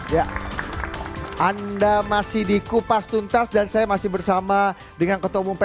ya anda masih di kupas tuntas dan saya masih bersama dengan pak ustaz jeddah